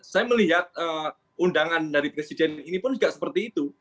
saya melihat undangan dari presiden ini pun juga seperti itu